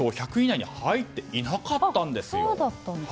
１００位以内に入っていなかったんです。